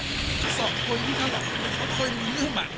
สองคนที่เท่าไหร่เขาเคยมีเรื่องมากอะไรกันมาก่อนไหม